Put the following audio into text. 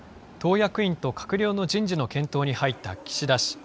役員と閣僚の人事の検討に入った岸田氏。